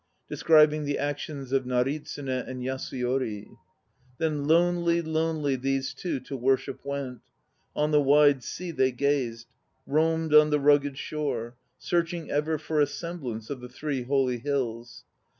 (Describing the actions of NARITSUNE and YASUYORI.) Then lonely, lonely these two to worship went; On the wide sea they gazed, Roamed on the rugged shore; Searching ever for a semblance Of the Three Holy Hills.